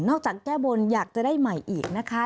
จากแก้บนอยากจะได้ใหม่อีกนะคะ